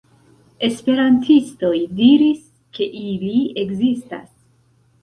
Esperantistoj diris ke ili ekzistas.